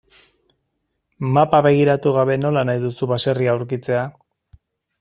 Mapa begiratu gabe nola nahi duzu baserria aurkitzea?